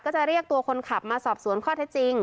จะเรียกตัวคนขับมาสอบสวนข้อเท็จจริง